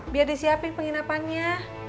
biar disiapin penginapannya